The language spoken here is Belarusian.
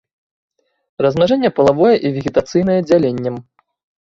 Размнажэнне палавое і вегетацыйнае дзяленнем.